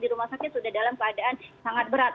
di rumah sakit sudah dalam keadaan sangat berat